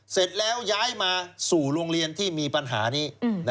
เสร็จแล้วย้ายมาสู่โรงเรียนที่มีปัญหานี้